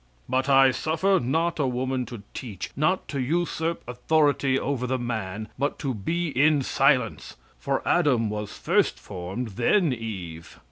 "But I suffer not a woman to teach, not to usurp authority over the man, but to be in silence. For Adam was first formed, then Eve.